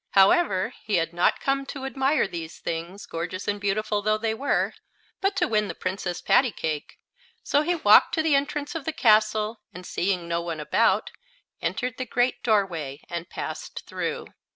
However, he had not come to admire these things, gorgeous and beautiful though they were, but to win the Princess Pattycake; so he walked to the entrance of the castle, and seeing no one about, entered the great door way and passed through.